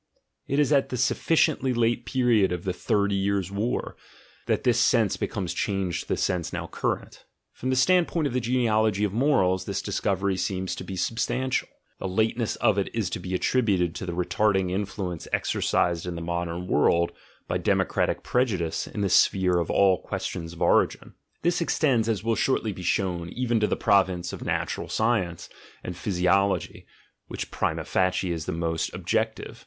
It is at the sufficiently late period of the Thirty Years' War that this sense becomes changed to the sense now current. From the standpoint of the Genealogy of Morals this discovery seems to be substan tial: the lateness of it is to be attributed to the retarding influence exercised in the modern world by democratic prejudice in the sphere of all questions of origin. This extends, as will shortly be shown, even to the province of natural science and physiology, which prima jacie is the most objective.